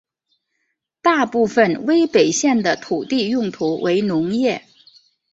大部分威北县的土地用途为农业。